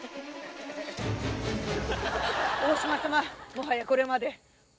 もはやこれまで。